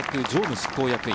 執行役員・